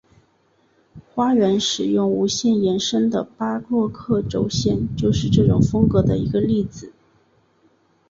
花园使用无限延伸的巴洛克轴线就是这种风格的一个例子。